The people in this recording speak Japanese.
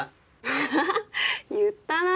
アハハ言ったな。